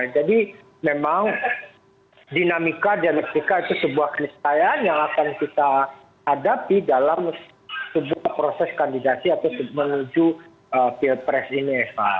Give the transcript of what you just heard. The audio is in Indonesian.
jadi memang dinamika dan etika itu sebuah kenistaian yang akan kita hadapi dalam sebuah proses kandidasi atau menuju field press ini